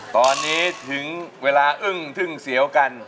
ตอนนี้ถึงเวลาอึ้งทึ่งเสียวกัน